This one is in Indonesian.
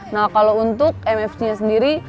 nah kalau untuk mfc nya sendiri